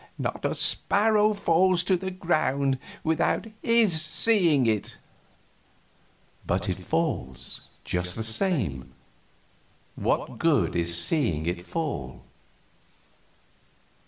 "Not a sparrow falls to the ground without His seeing it." "But it falls, just the same. What good is seeing it fall?"